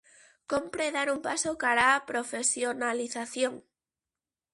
Cómpre dar un paso cara á profesionalización.